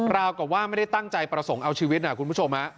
กับว่าไม่ได้ตั้งใจประสงค์เอาชีวิตนะคุณผู้ชม